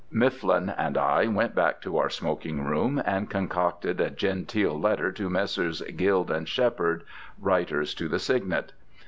Mifflin and I went back to our smoking room and concocted a genteel letter to Messrs. Guild and Shepherd, Writers to the Signet.